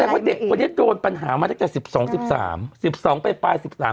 ว่าเด็กคนนี้โดนปัญหามาตั้งแต่๑๒๑๓๑๒ไปปลาย๑๓